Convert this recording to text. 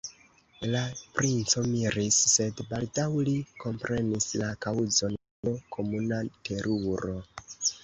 La princo miris, sed baldaŭ li komprenis la kaŭzon de l' komuna teruro.